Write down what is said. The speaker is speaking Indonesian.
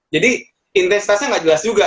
jadi intensitasnya nggak jelas juga